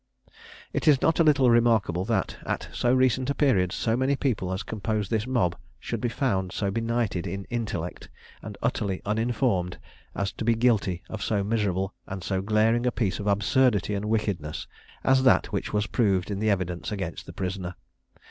It is not a little remarkable that, at so recent a period, so many people as composed this mob should be found so benighted in intellect, and utterly uninformed, as to be guilty of so miserable and so glaring a piece of absurdity and wickedness as that which was proved in the evidence against the prisoner.